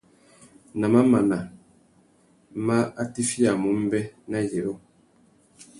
Nà mamana má atiffiyamú mbê, nà yirô.